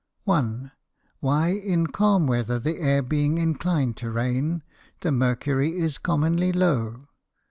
1. _Why in calm Weather the Air being inclin'd to Rain, the Mercury is commonly low?